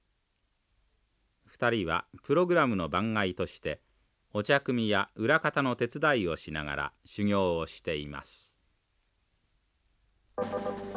２人はプログラムの番外としてお茶くみや裏方の手伝いをしながら修業をしています。